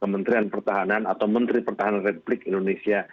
menteri pertahanan atau menteri pertahanan replik indonesia